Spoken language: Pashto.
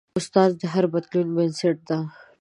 استاد د هر بدلون بنسټ دی.